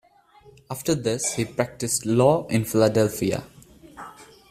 After this he practiced law in Philadelphia.